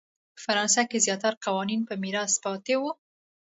په فرانسه کې زیاتره قوانین په میراث پاتې وو.